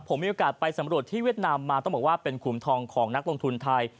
ผมมีโอกาสไปสำรวจที่เวียดนามมาต้องบอกว่าเป็นขุมทองของนักลงทุนไทย